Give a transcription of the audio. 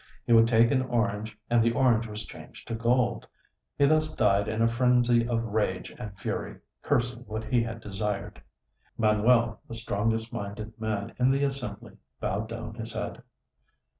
He would take an orange and the orange was changed to gold. He thus died in a frenzy of rage and fury, cursing what he had desired." Manuel, the strongest minded man in the assembly, bowed down his head.